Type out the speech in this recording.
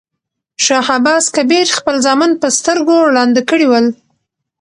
شاه عباس کبیر خپل زامن په سترګو ړانده کړي ول.